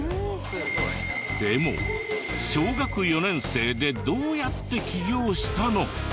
でも小学４年生でどうやって起業したの？